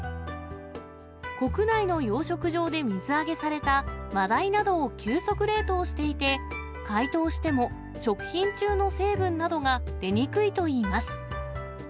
国内の養殖場で水揚げされたマダイなどを急速冷凍していて、解凍しても食品中の成分などが出にくいといいます。